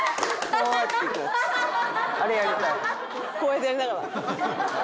こうやってやりながら？